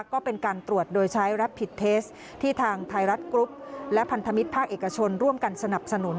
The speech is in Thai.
ก็เป็นการตรวจโดยใช้รับผิดเทสที่ทางไทยรัฐกรุ๊ปและพันธมิตรภาคเอกชนร่วมกันสนับสนุน